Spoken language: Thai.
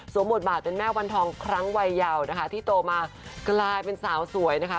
บทบาทเป็นแม่วันทองครั้งวัยยาวนะคะที่โตมากลายเป็นสาวสวยนะคะ